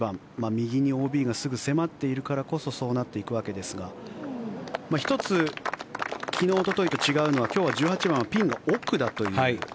右にＯＢがすぐ迫っているからこそそうなっていくわけですが１つ昨日、おとといと違うのは今日は１８番はピンが奥だという。